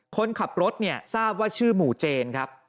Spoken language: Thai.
คนขับรถเนี่ยทราบว่าชื่อหมู่เจนครับ